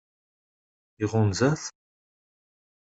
Iɣunza-t?